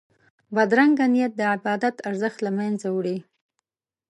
بدرنګه نیت د عبادت ارزښت له منځه وړي